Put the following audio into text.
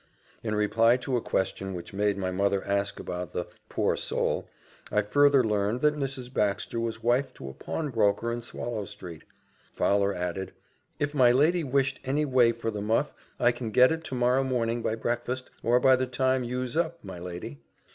In reply to a question which made my mother ask about the "poor soul," I further learned that Mrs. Baxter was wife to a pawnbroker in Swallow street. Fowler added, "If my lady wished any way for the muff, I can get it to morrow morning by breakfast, or by the time you's up, my lady."